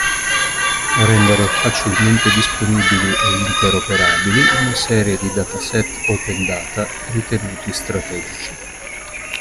Rendere facilmente disponibili e interoperabili una serie di dataset Open Data ritenuti strategici.